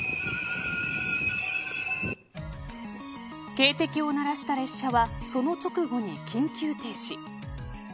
警笛を鳴らした列車はその直後に緊急停止。